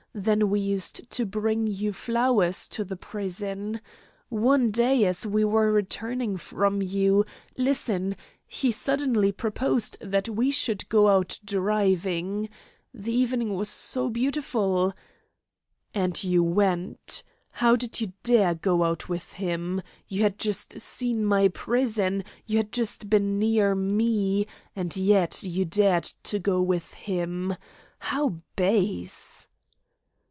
Then we used to bring you flowers to the prison. One day as we were returning from you listen he suddenly proposed that we should go out driving. The evening was so beautiful " "And you went! How did you dare go out with him? You had just seen my prison, you had just been near me, and yet you dared go with him. How base!"